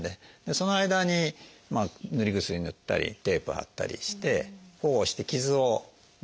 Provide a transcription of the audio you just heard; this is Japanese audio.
その間に塗り薬塗ったりテープ貼ったりして保護して傷を治すと。